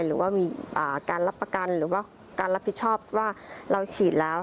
หรือว่ามีการรับประกันหรือว่าการรับผิดชอบว่าเราฉีดแล้ว